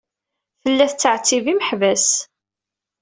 Tella tettɛettib imeḥbas.